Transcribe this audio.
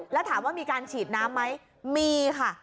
แล้วถามว่ามีการฉีดน้ำไหมมีค่ะ